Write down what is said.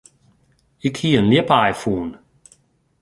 Ik hie in ljipaai fûn.